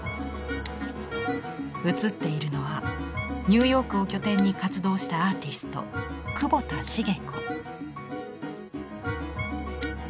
映っているのはニューヨークを拠点に活動したアーティスト久保田成子。